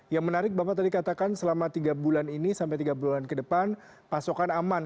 yang menarik bapak tadi katakan selama tiga bulan ini sampai tiga bulan ke depan pasokan aman